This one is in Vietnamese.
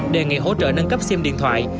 đề nghị hỗ trợ nâng cấp sim điện thoại